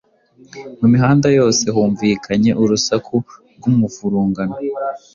mu mihanda yose humvikanye urusaku ry’umuvurungano.